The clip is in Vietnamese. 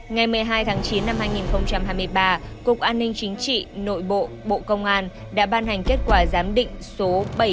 ngày một mươi hai tháng chín năm hai nghìn hai mươi ba cục an ninh chính trị nội bộ bộ công an đã ban hành kết quả giám định số bảy trăm bốn mươi ba